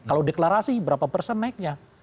kalau deklarasi berapa persen naiknya